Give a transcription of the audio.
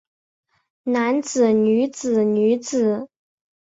男子女子女子